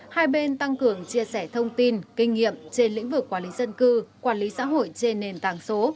hai bên tăng cường chia sẻ thông tin kinh nghiệm trên lĩnh vực quản lý dân cư quản lý xã hội trên nền tảng số